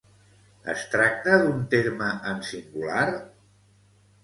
Es tracta d'un terme en singular?